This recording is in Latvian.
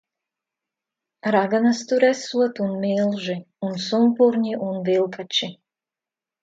Raganas tur esot un milži. Un sumpurņi un vilkači.